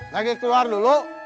lagi keluar dulu